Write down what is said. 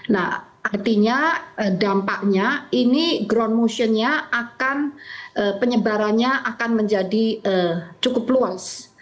nah artinya dampaknya ini ground motion nya akan penyebarannya akan menjadi cukup luas